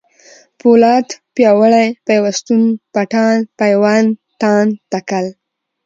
پولاد ، پیاوړی ، پيوستون ، پټان ، پېوند ، تاند ، تکل